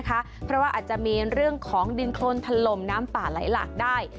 ก็อาจจะมีเรื่องของดินโครนพันลมน้ำป่าไหลหลักได้